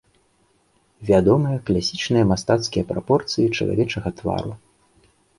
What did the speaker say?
Вядомыя класічныя мастацкія прапорцыі чалавечага твару.